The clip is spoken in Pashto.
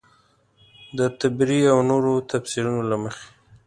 د طبري او نورو تفیسیرونو له مخې.